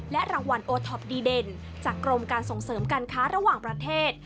รางวัลโอท็อปดีเด่นจากกรมการส่งเสริมการค้าระหว่างประเทศ